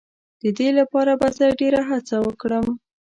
د دې لپاره به زه ډېر هڅه وکړم.